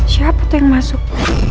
siapa tuh yang masuk